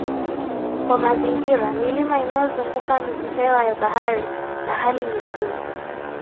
wa mazingira Milima inayozunguka miji hewa ya bahari na hali nyingine